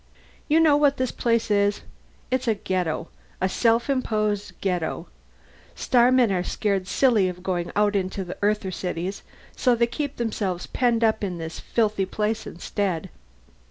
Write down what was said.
"You know what this place is? It's a ghetto. A self imposed ghetto. Starmen are scared silly of going out into the Earther cities, so they keep themselves penned up in this filthy place instead."